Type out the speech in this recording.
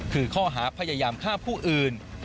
คือข้อหาพยายามฆ่าผู้อื่น